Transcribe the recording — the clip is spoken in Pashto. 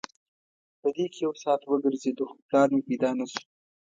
په دې کې یو ساعت وګرځېدو خو پلار مې پیدا نه شو.